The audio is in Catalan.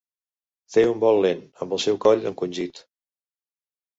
Té un vol lent, amb el seu coll encongit.